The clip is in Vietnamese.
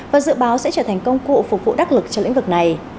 và dự báo sẽ trở thành công cụ phục vụ đắc lực cho lĩnh vực này